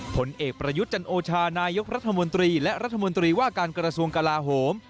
ผลเอกประยุทธ์จันโอชานายกรัฐมนตรีและรัฐมนตรีว่าการกระทรวงกลาโหม